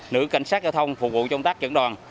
nữ cảnh sát giao thông phục vụ trong tác dẫn đoàn